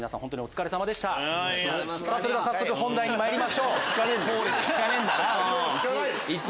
それでは早速本題にまいりましょう。